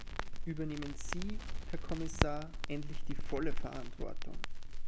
Übernehmen Sie, Herr Kommissar, endlich die volle Verantwortung!